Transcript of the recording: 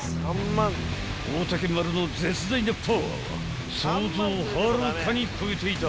［大嶽丸の絶大なパワーは想像をはるかに超えていた］